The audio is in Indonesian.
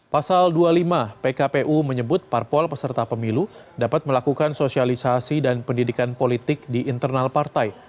pasal dua puluh lima pkpu menyebut parpol peserta pemilu dapat melakukan sosialisasi dan pendidikan politik di internal partai